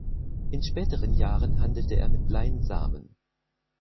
In späteren Jahren handelte er mit Leinsamen.